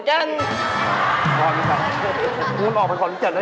มึงมองเป็นหรือจัดไม่ว่าไงวะ